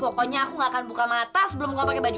pokoknya aku gak akan buka mata sebelum gue pakai baju